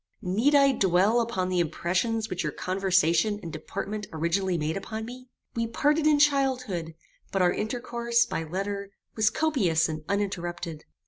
"Need I dwell upon the impressions which your conversation and deportment originally made upon me? We parted in childhood; but our intercourse, by letter, was copious and uninterrupted.